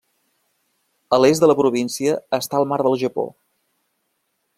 A l'est de la província està el mar del Japó.